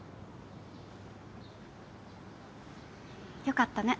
よかったね。